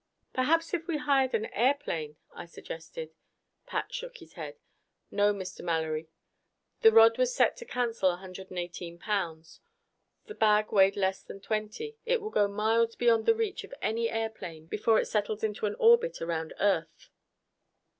"Perhaps if we hired an airplane ?" I suggested. Pat shook his head. "No, Mr. Mallory. The rod was set to cancel 118 pounds. The bag weighed less than twenty. It will go miles beyond the reach of any airplane before it settles into an orbit around earth."